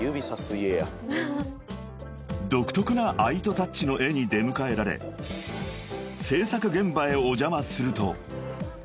［独特なＡＩＴＯタッチの絵に出迎えられ制作現場へお邪魔すると］